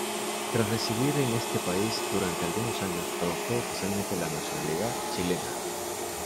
Tras residir en este país durante algunos años, adoptó oficialmente la nacionalidad chilena.